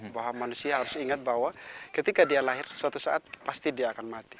bahwa manusia harus ingat bahwa ketika dia lahir suatu saat pasti dia akan mati